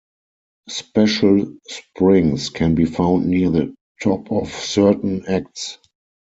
Special Springs can be found near the top of certain acts.